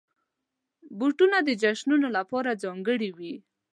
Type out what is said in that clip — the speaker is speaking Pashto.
بوټونه د جشنونو لپاره ځانګړي وي.